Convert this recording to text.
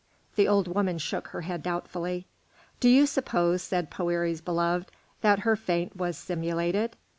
The old woman shook her head doubtfully. "Do you suppose," said Poëri's beloved, "that her faint was simulated?